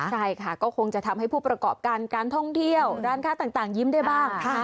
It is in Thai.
ใช่ค่ะก็คงจะทำให้ผู้ประกอบการการท่องเที่ยวร้านค้าต่างยิ้มได้บ้าง